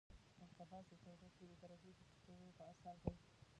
انقباض د تودوخې د درجې د ټیټېدو په اثر دی.